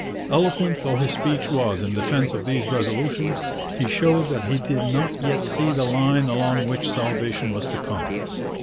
Eloquent though his speech was in defence of these resolutions, he showed that he did not yet see the line along which salvation was to come.